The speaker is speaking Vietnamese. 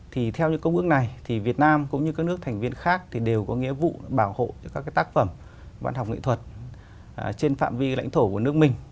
thì theo những công ước này thì việt nam cũng như các nước thành viên khác thì đều có nghĩa vụ bảo hộ cho các tác phẩm văn học nghệ thuật trên phạm vi lãnh thổ của nước mình